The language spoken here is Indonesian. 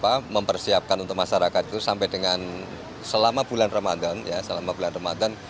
kita mempersiapkan untuk masyarakat itu sampai dengan selama bulan ramadan